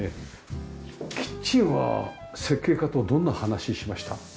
キッチンは設計家とどんな話しました？